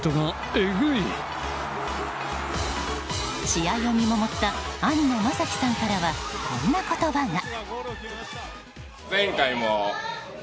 試合を見守った兄の将輝さんからはこんな言葉が。